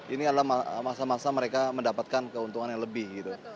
ini adalah masa masa mereka mendapatkan keuntungan yang lebih gitu